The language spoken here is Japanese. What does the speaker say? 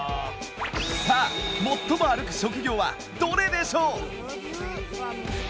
さあ最も歩く職業はどれでしょう？